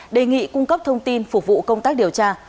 đề nghị cung cấp thông tin phục vụ công tác điều tra